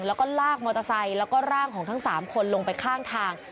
แล้วก็ลากมอเตอร์ไซค์แล้วก็ร่างของทั้ง๓คนลงไปข้างทาง